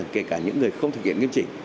kể cả những người không thực hiện nghiêm chỉnh